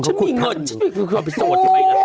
ฉันมีเงินฉันมีเงิน